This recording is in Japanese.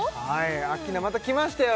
アッキーナまたきましたよ